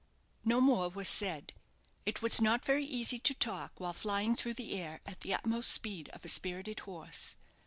No more was said. It was not very easy to talk while flying through the air at the utmost speed of a spirited horse.